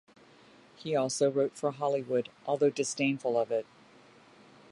He also wrote for Hollywood, although disdainful of it.